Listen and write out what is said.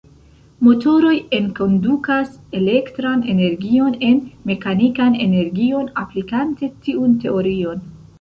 Motoroj enkondukas elektran energion en mekanikan energion aplikante tiun teorion.